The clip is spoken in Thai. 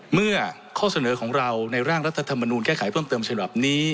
เมื่อข้อเสนอของเราในร่างรัฐธรรมนูลแก้ไขเพิ่มเติมฉบับนี้